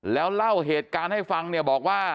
แล้วเล่าเหตุการณ์ให้ฟังเนี่ยบอกว่า